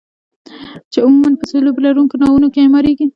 چې عموما په سلوب لرونکو ناوونو کې اعماریږي.